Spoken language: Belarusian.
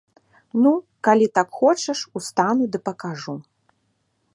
Ну, калі так хочаш, устану ды пакажу.